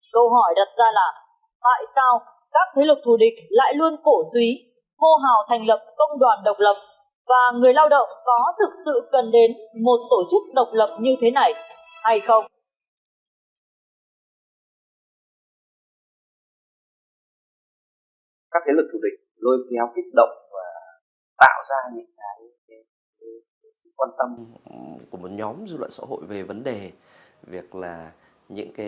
câu hỏi đặt ra là tại sao các thế lực thù địch lại luôn cổ suý mô hào thành lập công đoàn độc lập